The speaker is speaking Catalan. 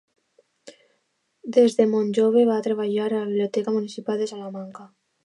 Des de molt jove va treballar a la Biblioteca Municipal de Salamanca.